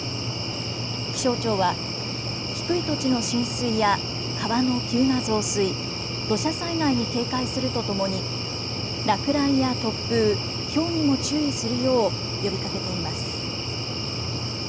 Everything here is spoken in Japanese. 気象庁は低い土地の浸水や川の急な増水、土砂災害に警戒するとともに落雷や突風、ひょうにも注意するよう呼びかけています。